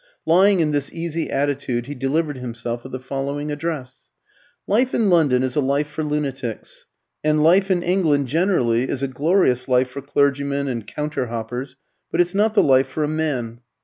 Lying in this easy attitude, he delivered himself of the following address "Life in London is a life for lunatics. And life in England generally is a glorious life for clergymen and counter hoppers, but it's not the life for a man.